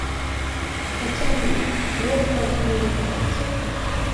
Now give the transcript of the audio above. Хаця не, робу пакіну на памяць.